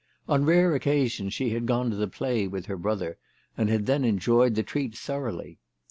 On rare occasions she had gone to the play with her brother, and had then enjoyed the treat thoroughly.